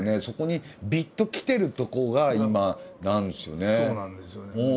そこにビッときてるとこが今なんですよね。